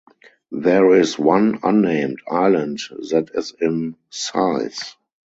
There is one unnamed island that is in size.